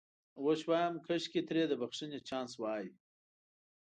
اوس وایم کاش ترې د بخښنې چانس وای.